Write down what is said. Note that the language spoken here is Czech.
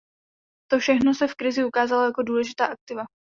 To všechno se v krizi ukázalo jako důležitá aktiva.